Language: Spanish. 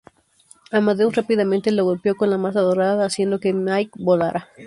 Amadeus rápidamente lo golpeó con la Maza Dorada, haciendo que Miek volara.